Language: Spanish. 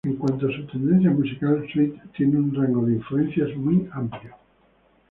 En cuanto a su tendencia musical Suite tiene un rango de influencias muy amplio.